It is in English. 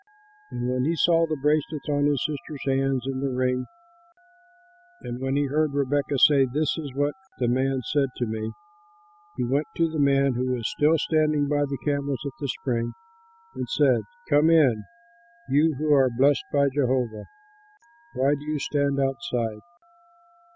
And when he saw the bracelets on his sister's hands and the ring, and when he heard Rebekah say, "This is what the man said to me," he went to the man, who was still standing by the camels at the spring, and said, "Come in, you who are blessed by Jehovah! Why do you stand outside?